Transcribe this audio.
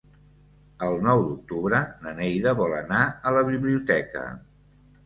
El nou d'octubre na Neida vol anar a la biblioteca.